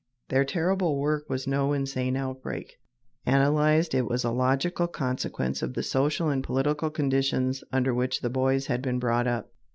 Their terrible work was no insane outbreak. Analyzed, it was a logical consequence of the social and political conditions under which the boys had been brought up.